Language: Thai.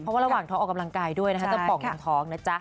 เพราะว่าระหว่างท้องออกกำลังกายด้วยนะคะจะป่องถึงท้องนะจ๊ะ